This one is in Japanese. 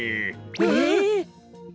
えっ！？